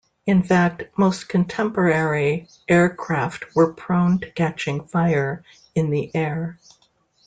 In fact, most contemporary aircraft were prone to catching fire in the air.